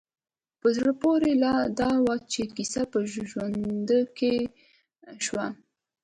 په زړه پورې لا دا وه چې کيسه په ژرنده کې وشوه.